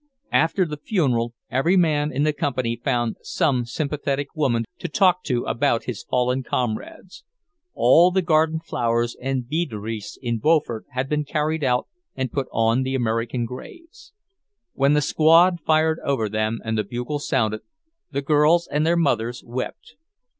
After the funeral every man in the Company found some sympathetic woman to talk to about his fallen comrades. All the garden flowers and bead wreaths in Beaufort had been carried out and put on the American graves. When the squad fired over them and the bugle sounded, the girls and their mothers wept.